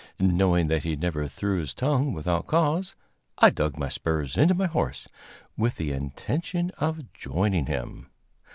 Knowing that he never threw his tongue without cause, I dug my spurs into my horse, with the intention of joining him.